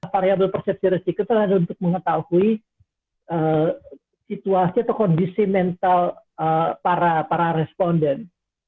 variable persepsi resiko itu adalah untuk mengetahui situasi atau kondisi mental para responden